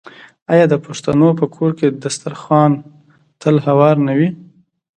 آیا د پښتنو په کور کې دسترخان تل هوار نه وي؟